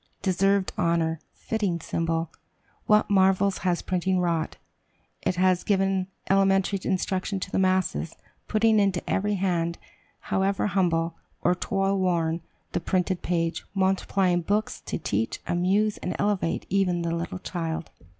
Deserved honor! fitting symbol! What marvels has printing wrought. It has given elementary instruction to the masses, putting into every hand, however humble or toilworn, the printed page, multiplying books to teach, amuse, and elevate even the little child.